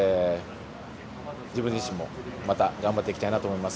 自分自身もまた頑張ってきたいと思います。